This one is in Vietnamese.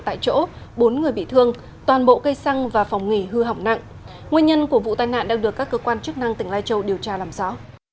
tại chỗ bốn người bị thương toàn bộ cây xăng và phòng nghỉ hư hỏng nặng nguyên nhân của vụ tai nạn đang được các cơ quan chức năng tỉnh lai châu điều tra làm rõ